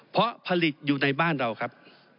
เพราะผลิตอยู่ในบ้านเราครับ